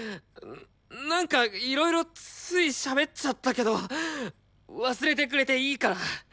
なんかいろいろついしゃべっちゃったけど忘れてくれていいから。